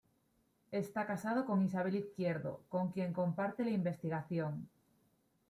Está casado con Isabel Izquierdo, con quien comparte la investigación.